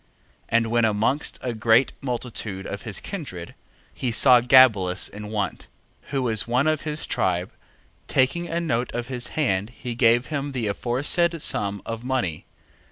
And when amongst a great multitude of his kindred, he saw Gabelus in want, who was one of his tribe, taking a note of his hand he gave him the aforesaid sum of money.